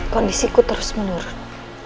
kondisi ku terus menurun